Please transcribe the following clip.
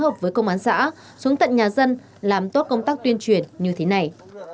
hợp với công an xã xuống tận nhà dân làm tốt công tác tuyên truyền như thế này